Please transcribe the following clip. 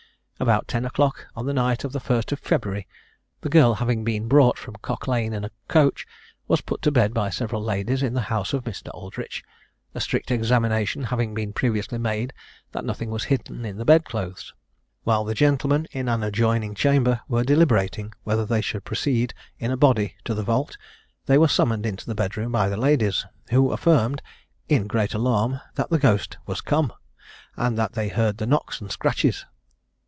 About ten o'clock on the night of the 1st of February, the girl, having been brought from Cock lane in a coach, was put to bed by several ladies in the house of Mr. Aldritch, a strict examination having been previously made that nothing was hidden in the bedclothes. While the gentlemen, in an adjoining chamber, were deliberating whether they should proceed in a body to the vault, they were summoned into the bedroom by the ladies, who affirmed, in great alarm, that the ghost was come, and that they heard the knocks and scratches.